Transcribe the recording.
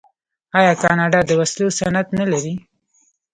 آیا کاناډا د وسلو صنعت نلري؟